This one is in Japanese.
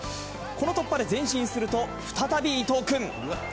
この突破で前進すると、再び伊藤君。